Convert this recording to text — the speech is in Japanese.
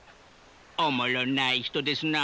おもろない人ですなあ。